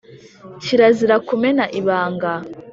kirazira kumena ibanga